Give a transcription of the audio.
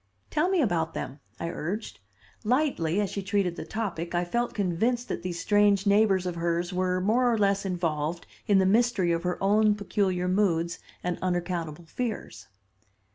"Tell me about them," I urged. Lightly as she treated the topic I felt convinced that these strange neighbors of hers were more or less involved in the mystery of her own peculiar moods and unaccountable fears.